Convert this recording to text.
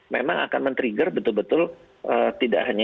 memang akan men trigger betul betul tidak hanya